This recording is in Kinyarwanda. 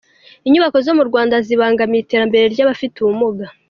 Inyubako zo mu Rwanda zibangamiye iterambere ry’abafite ubumuga